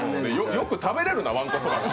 よく食べれるな、わんこそばが。